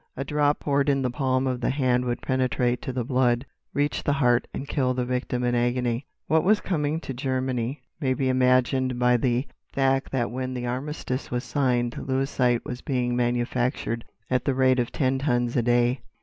A drop poured in the palm of the hand would penetrate to the blood, reach the heart and kill the victim in agony. "What was coming to Germany may be imagined by the fact that when the armistice was signed 'Lewisite' was being manufactured at the rate of ten tons a day.